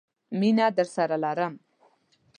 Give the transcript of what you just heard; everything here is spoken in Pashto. مینه درسره لرم!